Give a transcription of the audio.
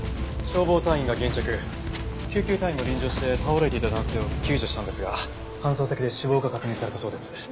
消防隊員が現着救急隊員も臨場して倒れていた男性を救助したんですが搬送先で死亡が確認されたそうです。